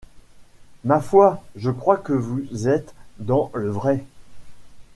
Ma foi! je crois que vous êtes dans le vrai.